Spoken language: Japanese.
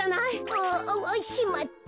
あわわしまった！